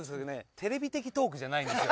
テレビ的トークじゃないんですよ。